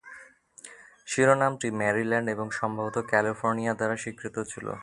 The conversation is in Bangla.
শিরোনামটি ম্যারিল্যান্ড এবং সম্ভবত ক্যালিফোর্নিয়া দ্বারা স্বীকৃত ছিল।